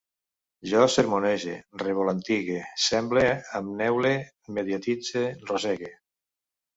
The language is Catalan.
Jo sermonege, revolantigue, semble, em neule, mediatitze, rossege